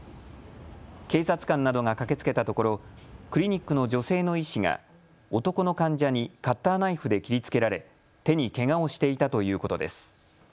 警察官などが駆けつけたところクリニックの女性の医師が男の患者にカッターナイフで切りつけられ手にけがをしていたということです。